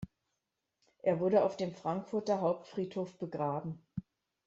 Er wurde auf dem Frankfurter Hauptfriedhof begraben.